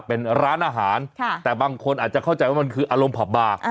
เป็นร้านอาหารแต่บางคนอาจจะเข้าใจว่ามันคืออารมณ์ผับบาร์